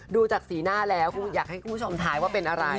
ดูจากสีหน้าแล้วอยากให้คุณผู้ชมทายว่าเป็นอะไร